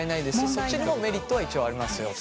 そっちにもメリットは一応ありますよと。